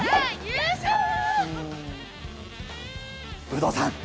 有働さん。